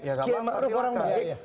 yai maruf orang baik